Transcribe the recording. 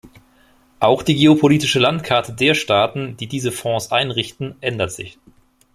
Auch die geopolitische Landkarte der Staaten, die diese Fonds einrichten, ändert sich.